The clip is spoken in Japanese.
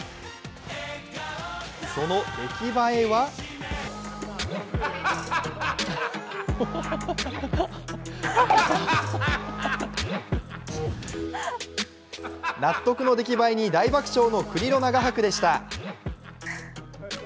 その出来栄えは納得の出来栄えに大納得のクリロナ画伯でした。